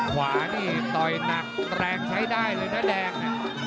ขวานี่ต่อยหนักแรงใช้ได้เลยนะแดง